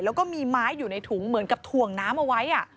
แล้วก็มีไม้อยู่ในถุงเหมือนกับถ่วงน้ำเอาไว้